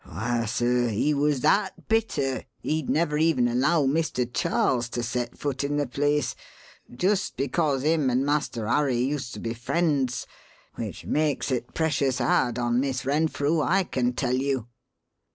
Why, sir, he was that bitter he'd never even allow Mr. Charles to set foot in the place, just because him and Master Harry used to be friends which makes it precious hard on Miss Renfrew, I can tell you."